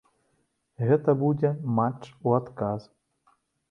Гэта будзе матч у адказ.